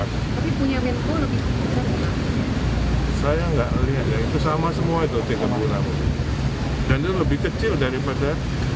dan itu lebih kecil daripada